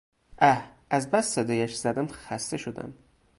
اه - از بس صدایش زدم خسته شدم!